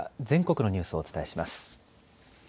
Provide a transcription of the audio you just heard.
全国のニュースをお伝えします。